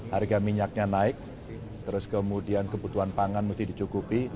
harga minyaknya naik terus kemudian kebutuhan pangan mesti dicukupi